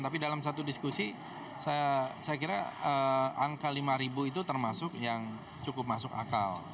tapi dalam satu diskusi saya kira angka lima itu termasuk yang cukup masuk akal